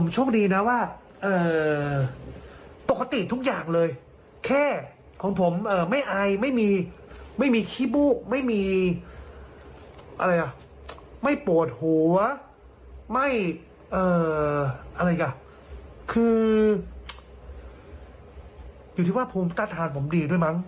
จริงอ่ะครับอยู่ที่ว่าความกระทานผมดีด้วยมั้ง